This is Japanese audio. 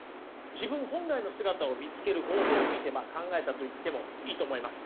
自分本来の姿を見つける方法について考えたと言ってもいいと思います。